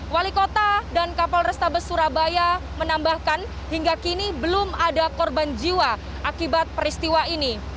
wali kota dan kapol restabes surabaya menambahkan hingga kini belum ada korban jiwa akibat peristiwa ini